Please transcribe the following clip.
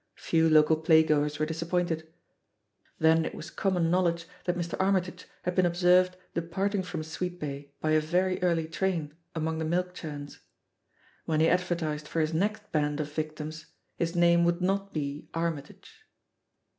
Few local play goers were disappointed. Then it was commoa THE POSITION OF PEGGY HARPER 6fi knowledge that Mr. Armytage had been ob served departing from Sweetbay by a very early train, among the milk chums. When he adver tised for his next band of victims, his name would not be "Armytage."